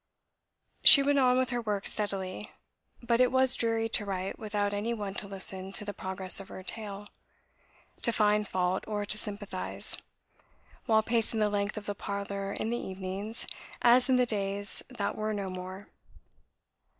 She went on with her work steadily. But it was dreary to write without any one to listen to the progress of her tale, to find fault or to sympathise, while pacing the length of the parlour in the evenings, as in the days that were no more.